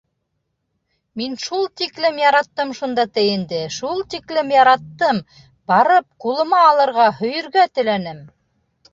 Мин шул тиклем яраттым шунда тейенде, шул тиклем яраттым — барып ҡулыма айырға, Һөйөргә теләнем...